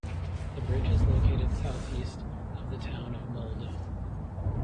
The bridge is located southeast of the town of Molde.